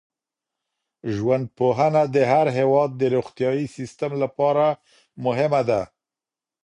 ژوندپوهنه د هر هېواد د روغتیايي سیسټم لپاره مهمه ده.